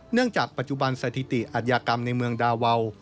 จากปัจจุบันสถิติอัธยากรรมในเมืองดาวาว